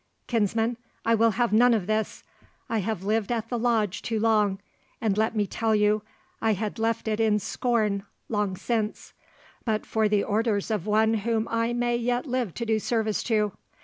Kinsman, I will have none of this. I have lived at the Lodge too long; and let me tell you, I had left it in scorn long since, but for the orders of one whom I may yet live to do service to.